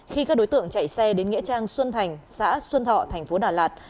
khi các đối tượng chạy xe đến nghĩa trang xuân thành xã xuân thọ thành phố đà lạt